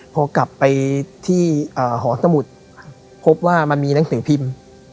พอกลับไปที่หอสมุทรพบว่ามันมีหนังสือพิมพ์